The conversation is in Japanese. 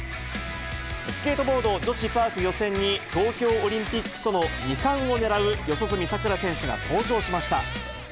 スケートボード女子パーク予選に、東京オリンピックとの２冠をねらう四十住さくら選手が登場しました。